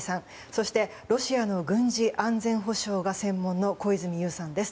そしてロシアの軍事・安全保障が専門の小泉悠さんです。